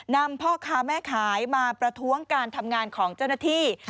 นำพ่อค้าแม่ขายมาประท้วงการทำงานของเจ้าหน้าที่